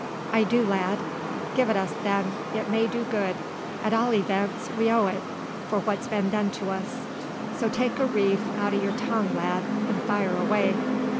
"I do, lad. Gie it us, then. It may do good. At all events, we owe it, for what's been done to us. So take a reef out o' your tongue, lad, an' fire away!"